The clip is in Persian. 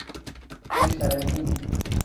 مشترکین